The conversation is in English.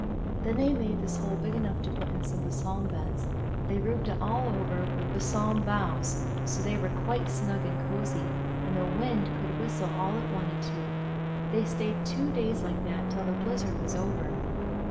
Then they made this hole big enough to put in some balsam 206 AN INDIAN DOG beds, and they roofed it all over with balsam boughs, so they were quite snug and cozy, and the wind could whistle all it wanted to. They stayed two days like that till the blizzard was over.